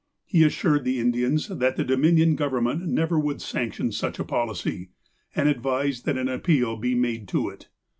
He assured the Indians that the Dominion Government never would sanction such a policy, and advised that an appeal be made to it.